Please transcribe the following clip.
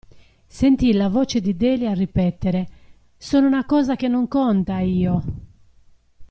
Sentì la voce di Delia ripetere: Sono una cosa che non conta, io!